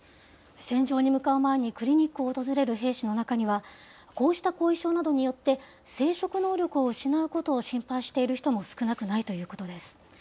戦場に向かう前に、クリニックを訪れる兵士の中には、こうした後遺症などによって、生殖能力を失うことを心配している人も少なくないということです。